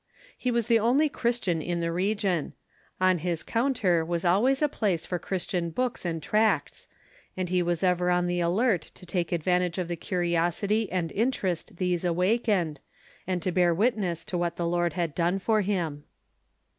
He was the only Christian in the region. On his counter was always a place for Christian books and tracts; and he was ever on the alert to take advantage of the curiosity and interest these awakened, and to bear witness to what the Lord had done for him.